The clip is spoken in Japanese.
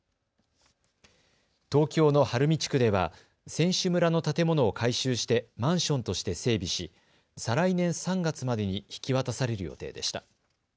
東京の晴海地区では選手村の建物を改修してマンションとして整備し再来年３月までに引き渡される予定でした。